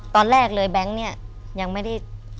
ตอนแรกเลยแบงค์เนี่ยยังไม่ได้